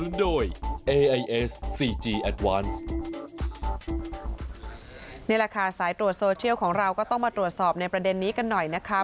นี่แหละค่ะสายตรวจโซเชียลของเราก็ต้องมาตรวจสอบในประเด็นนี้กันหน่อยนะคะ